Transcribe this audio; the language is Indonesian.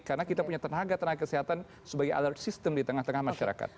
karena kita punya tenaga tenaga kesehatan sebagai alert system di tengah tengah masyarakat